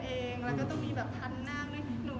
และต้องการติดการว่าพลังจะได้ยังไง